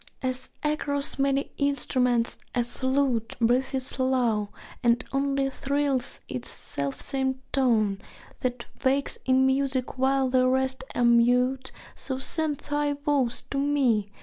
As across many instruments a flute Breathes low, and only thrills its selfsame tone, That wakes in music while the rest are mute, So send thy voice to me!